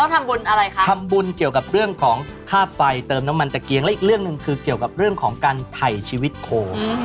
ทำบุญอะไรคะทำบุญเกี่ยวกับเรื่องของค่าไฟเติมน้ำมันตะเกียงและอีกเรื่องหนึ่งคือเกี่ยวกับเรื่องของการไถ่ชีวิตโคม